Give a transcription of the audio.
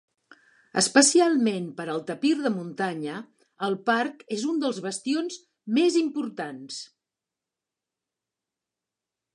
Especialment per al tapir de muntanya, el parc és un dels bastions més importants.